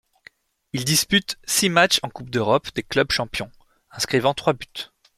Il dispute six matchs en Coupe d'Europe des clubs champions, inscrivant trois buts.